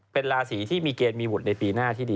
เป็นราศีที่มีเกณฑ์มีบุตรในปีหน้าที่ดี